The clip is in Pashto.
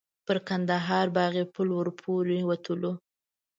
پر کندهار باغ پل ور پورې وتلو.